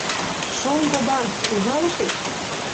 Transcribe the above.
— Шоҥго барс, ужалышыч?